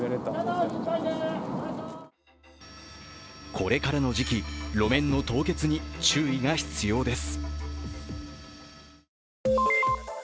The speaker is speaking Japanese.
これからの時期、路面の凍結に注意が必要です。